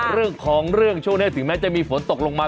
เรื่องของเรื่องช่วงนี้ถึงแม้จะมีฝนตกลงมา